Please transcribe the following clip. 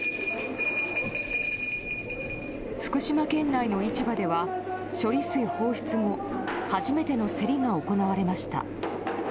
福島県内の市場では、処理水放出後、初めての競りが行われました。